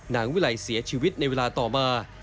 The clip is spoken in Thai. นางวิไลเสียชีวิตในเวลาต่อมา